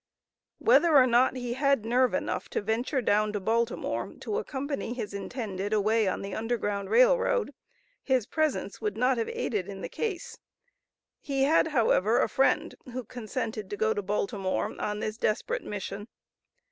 Whether or not he had nerve enough to venture down to Baltimore to accompany his intended away on the Underground Rail Road, his presence would not have aided in the case. He had, however, a friend who consented to go to Baltimore on this desperate mission.